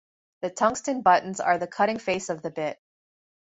The tungsten buttons are the cutting face of the bit.